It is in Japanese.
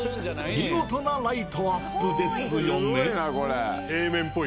見事なライトアップですよね